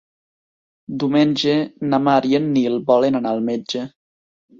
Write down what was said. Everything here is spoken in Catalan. Diumenge na Mar i en Nil volen anar al metge.